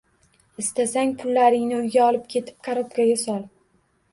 Istasang pullaringni uyga olib ketib korobkanga sol